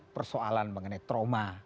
persoalan mengenai trauma